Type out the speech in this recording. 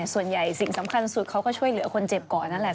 สิ่งสำคัญสุดเขาก็ช่วยเหลือคนเจ็บก่อนนั่นแหละ